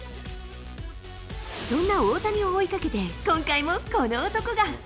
そんな大谷を追いかけて、今回もこの男が。